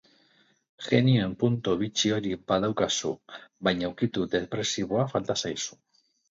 Jenioen puntu bitxi hori badaukazu, baina ukitu depresiboa falta zaizu.